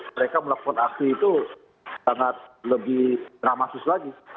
mereka melakukan aksi itu sangat lebih dramasus lagi